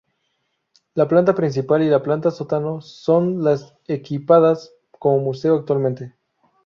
La planta principal y la planta sótano son las equipadas como museo actualmente.